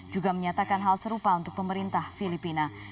juga menyatakan hal serupa untuk pemerintah filipina